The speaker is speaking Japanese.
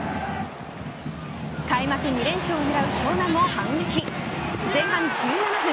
開幕２連勝を狙う湘南も反撃前半１７分